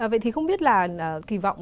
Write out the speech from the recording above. vậy thì không biết là kỳ vọng